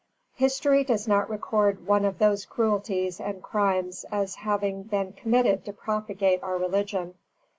History does not record one of those cruelties and crimes as having been committed to propagate our religion.